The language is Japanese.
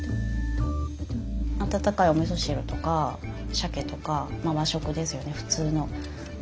温かいおみそ汁とかしゃけとかまあ和食ですよね普通の。